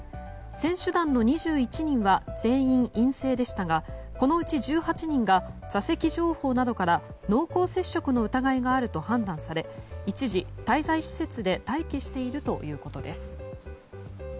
選手団の２１人は全員陰性でしたがこのうち１８人が座席情報などから濃厚接触の疑いがあると判断され一時、滞在施設で待機しているということです。